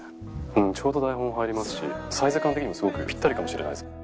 ちょうど台本入りますしサイズ感的にもすごくピッタリかもしれないです。